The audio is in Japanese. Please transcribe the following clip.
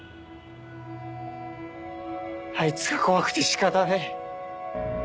あいつが怖くて仕方ねえ。